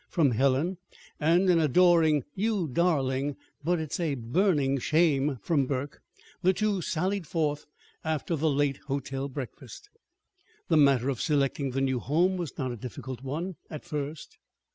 from Helen, and an adoring "You darling but it's a burning shame!" from Burke, the two sallied forth, after the late hotel breakfast. The matter of selecting the new home was not a difficult one at first.